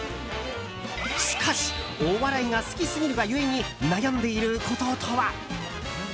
しかしお笑いが好きすぎるが故に悩んでいることとは？